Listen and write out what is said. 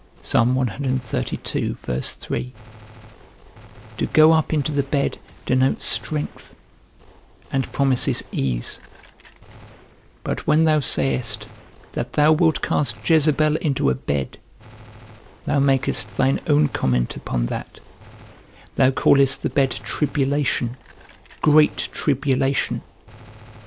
To go up into the bed denotes strength, and promises ease; but when thou sayest, that thou wilt cast Jezebel into a bed, thou makest thine own comment upon that; thou callest the bed tribulation, great tribulation.